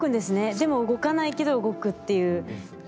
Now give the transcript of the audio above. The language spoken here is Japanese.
でも動かないけど動くっていう。